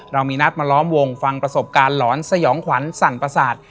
เรามีนัดมาล้อมวงฟังประสบการณ์หลอนสยองขวัญสั่นประสาท